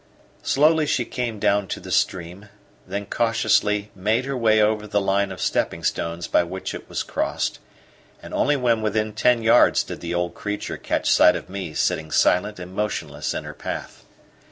Slowly she came down to the stream, then cautiously made her way over the line of stepping stones by which it was crossed; and only when within ten yards did the old creature catch sight of me sitting silent and motionless in her path.